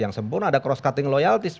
yang sempurna ada cross cutting loyalties